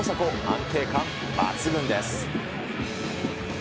安定感抜群です。